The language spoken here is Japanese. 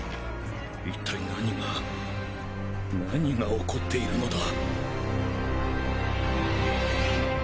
一体何が何が起こっているのだ。